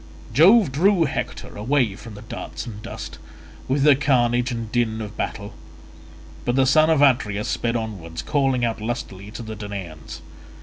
Jove drew Hector away from the darts and dust, with the carnage and din of battle; but the son of Atreus sped onwards, calling out lustily to the Danaans.